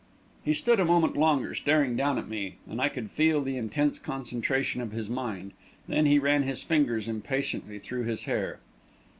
He stood a moment longer staring down at me, and I could feel the intense concentration of his mind; then he ran his fingers impatiently through his hair.